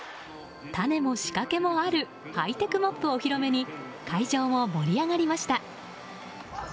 種も仕掛けもあるハイテクモップお披露目に会場も盛り上がりました。